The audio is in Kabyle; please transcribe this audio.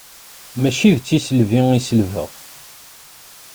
Mačči d tiselbi i selbeɣ.